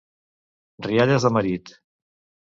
Rialles de marit.